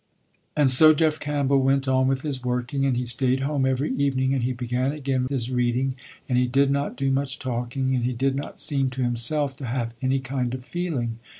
And so Jeff Campbell went on with his working, and he staid home every evening, and he began again with his reading, and he did not do much talking, and he did not seem to himself to have any kind of feeling.